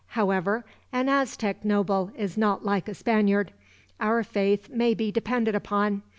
However, an Aztec noble is not like a Spaniard. Our faith may be depended upon.